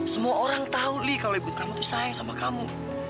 semua orang tahu nih kalau ibu kamu itu sayang sama kamu